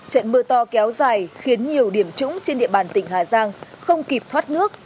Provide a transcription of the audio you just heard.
trận mưa to kéo dài khiến nhiều điểm trũng trên địa bàn tỉnh hà giang không kịp thoát nước